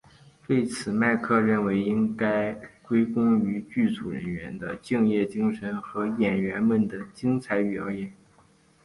对此麦克认为应该归功于剧组人员的敬业精神和演员们的精彩表演。